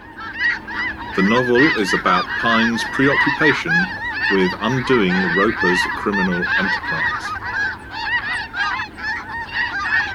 The novel is about Pine's preoccupation with undoing Roper's criminal enterprise.